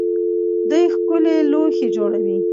دوی ښکلي لوښي جوړوي.